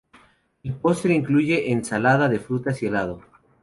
El postre incluye ensalada de frutas y helado.